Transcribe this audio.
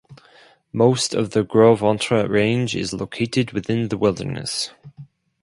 Most of the Gros Ventre Range is located within the wilderness.